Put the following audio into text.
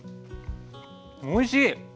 おいしい！